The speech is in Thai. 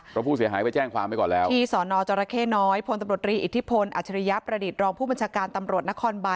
เพราะผู้เสียหายไปแจ้งความไว้ก่อนแล้วที่สนจรเข้น้อยพลตำรวจรีอิทธิพลอัจฉริยประดิษฐ์รองผู้บัญชาการตำรวจนครบาน